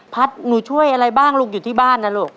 หนูช่วยอะไรบ้างลูกอยู่ที่บ้านนะลูก